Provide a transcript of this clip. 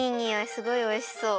すごいおいしそう！